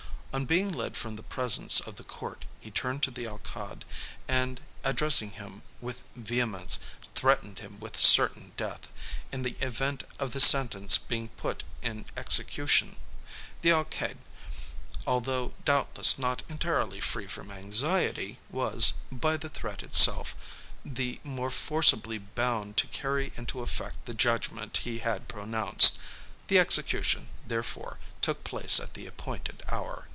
On being led from the presence of the court, he turned to the Alcalde, and addressing him with vehemence, threatened him with certain death, in the event of the sentence being put in execution. The Alcalde, although doubtless not entirely free from anxiety, was, by the threat itself, the more forcibly bound to carry into effect the judgment he had pronounced. The execution, therefore, took place at the appointed hour.